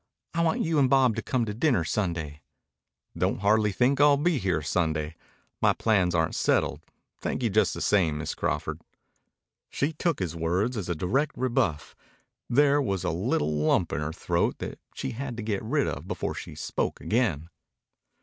I want you and Bob to come to dinner Sunday." "Don't hardly think I'll be here Sunday. My plans aren't settled. Thank you just the same, Miss Crawford." She took his words as a direct rebuff. There was a little lump in her throat that she had to get rid of before she spoke again.